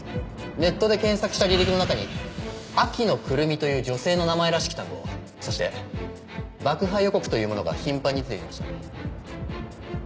ネットで検索した履歴の中に「秋野胡桃」という女性の名前らしき単語そして「爆破予告」というものが頻繁に出てきました。